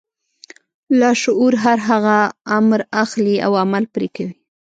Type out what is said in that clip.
لاشعور هر هغه امر اخلي او عمل پرې کوي.